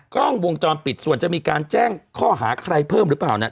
กล้องวงจรปิดส่วนจะมีการแจ้งข้อหาใครเพิ่มหรือเปล่าเนี่ย